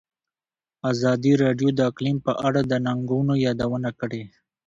ازادي راډیو د اقلیم په اړه د ننګونو یادونه کړې.